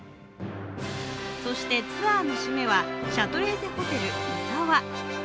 そして、ツアーの締めはシャトレーゼホテル石和。